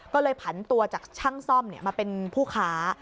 ก็เลยผันตัวจากช่างซ่อมมาเป็นผู้ค้า